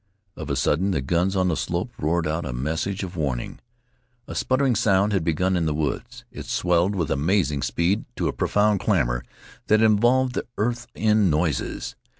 Of a sudden the guns on the slope roared out a message of warning. A spluttering sound had begun in the woods. It swelled with amazing speed to a profound clamor that involved the earth in noises.